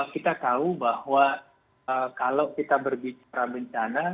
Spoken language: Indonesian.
kita tahu bahwa kalau kita berbicara bencana